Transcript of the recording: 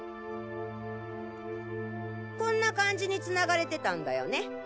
こんな感じに繋がれてたんだよね？